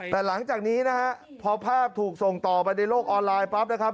แต่หลังจากนี้นะฮะพอภาพถูกส่งต่อไปในโลกออนไลน์ปั๊บนะครับ